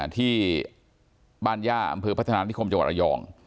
ที่บ้านย่าอำเภอพัฒนานิคมจังหวัดระยอง